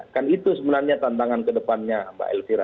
kan itu sebenarnya tantangan ke depannya mbak elvira